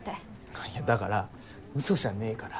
あっいやだからうそじゃねぇから。